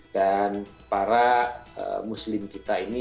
dan para muslim kita ini